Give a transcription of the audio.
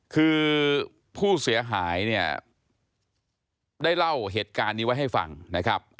คือผู้เสียหายเนี่ยได้เล่าเหตุการณ์นี้ไว้ให้ฟังนะครับ